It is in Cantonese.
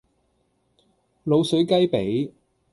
滷水雞脾